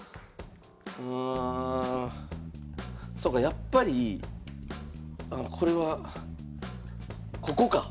やっぱりこれはここか。